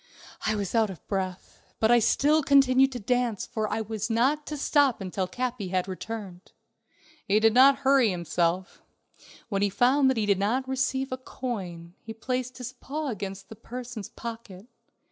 I was out of breath, but I still continued to dance, for I was not to stop until Capi had returned. He did not hurry himself; when he found that he did not receive a coin, he placed his paw against the person's pocket.